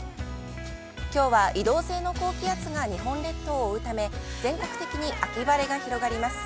きょうは移動性の高気圧が日本列島を覆うため、全国的に秋晴れが広がります。